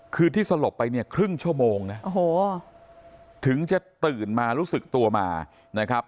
คือที่สลบไปเนี่ยครึ่งชั่วโมงนะโอ้โหถึงจะตื่นมารู้สึกตัวมานะครับ